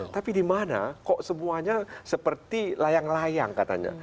tapi di mana kok semuanya seperti layang layang katanya